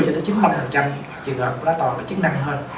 trường hợp của nó toàn là chức năng hơn